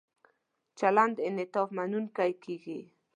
چلند انعطاف مننونکی کیږي.